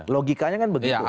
logikanya kan begitu